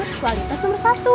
kualitas nomor satu